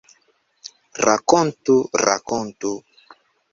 Rakontu, rakontu!